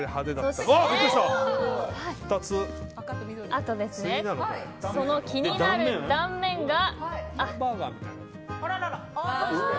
あと、その気になる断面が。